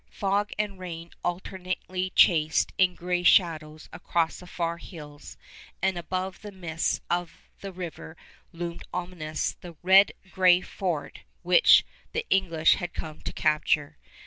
Fog and rain alternately chased in gray shadows across the far hills, and above the mist of the river loomed ominous the red gray fort which the English had come to capture.